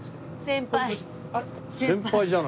先輩。